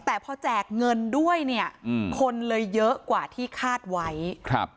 แต่พอแจกเงินด้วยเนี่ยอืมคนเลยเยอะกว่าที่คาดไว้ครับ